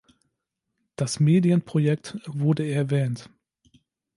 Das Medienprojekt wurde erwähnt.